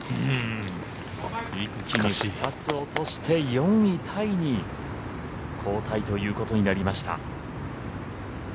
一気に２つ落として４位タイに後退ということになりました。